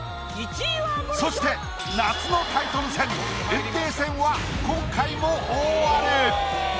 そして夏のタイトル戦炎帝戦は今回も大荒れ！